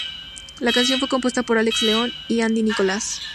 La canción fue compuesta por Alex Leon y Andy Nicolas.